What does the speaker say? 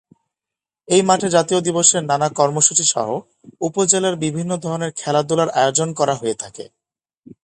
এই মাঠে জাতীয় দিবসের নানা কর্মসূচী সহ উপজেলার বিভিন্ন ধরনের খেলাধুলার আয়োজন করা হয়ে থাকে।